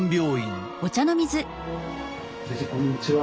先生こんにちは。